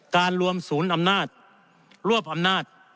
การรวมศูนย์อำนาจรวบอำนาจ